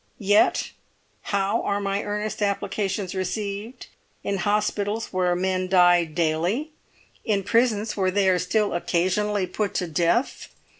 Yet how are my earnest applications received, in hospitals where men die daily, in prisons where they are still occasionally put to death?